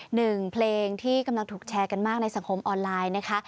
หนึ่งเพลงที่กำลังถูกแชร์กันมากในสังคมออนไลน์นะคะ